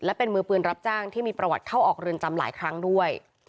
และเป็นมือปืนรับจ้างที่มีประวัติเข้าออกเรือนจำหลายครั้งด้วย